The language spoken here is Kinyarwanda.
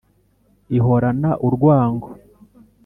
Ihorana urwango